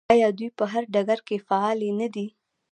آیا دوی په هر ډګر کې فعالې نه دي؟